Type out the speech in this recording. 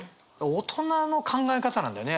大人の考え方なんだよね